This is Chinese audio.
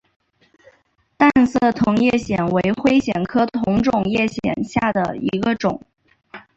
淡色同叶藓为灰藓科同叶藓属下的一个种。